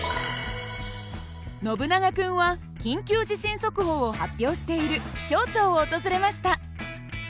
ノブナガ君は緊急地震速報を発表している気象庁を訪れました。